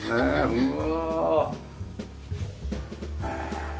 うわ！